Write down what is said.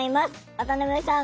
渡辺さん